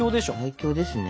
最強ですね。